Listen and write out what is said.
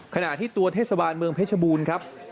ขณะที่ตัวเทศบาลเมืองเพชรบูรณ์ครับ